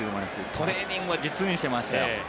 トレーニングはしてましたよ。